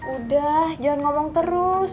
udah jangan ngomong terus